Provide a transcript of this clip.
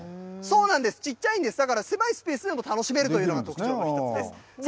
ちっちゃいんです、だから狭いスペースでも楽しめるというのが特徴の一つです。